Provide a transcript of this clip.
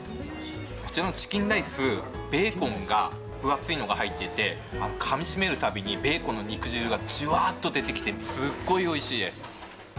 こちらのチキンライス、ベーコンが分厚いのが入っていて、かみしめるたびに、ベーコンの肉汁がじゅわーっと出てきてすっごいおいしいです。